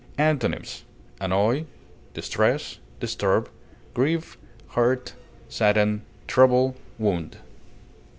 Antonyms: annoy, distress, disturb, grieve, hurt, sadden, trouble, wound.